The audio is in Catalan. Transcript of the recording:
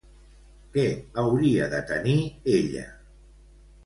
Què hauria de tenir ella?